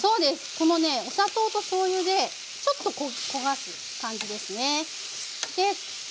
このねお砂糖としょうゆでちょっと焦がす感じですね。